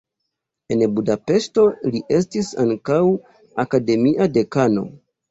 En Budapeŝto li estis ankaŭ akademia dekano.